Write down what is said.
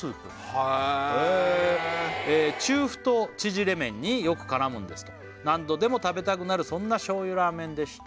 へえへえ「中太縮れ麺によく絡むんです」と「何度でも食べたくなるそんな醤油ラーメンでした」